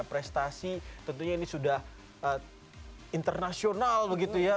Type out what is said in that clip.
prestasi tentunya ini sudah internasional begitu ya